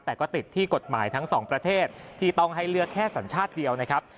แต่ก็ติดที่กฎหมายทั้งสองประเทศที่ต้องให้เลือกแค่สัญชาติเดียวนะครับ